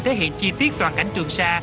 thể hiện chi tiết toàn cảnh trường xa